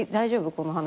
この話。